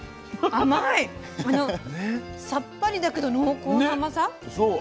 あのさっぱりだけど濃厚な甘さ？ね。